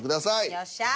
よっしゃ。